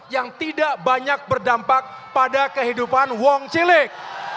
yang tidak banyak berdampak pada kehidupan wong cilik